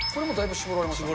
絞られます。